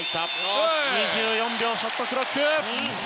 ２４秒ショットクロック。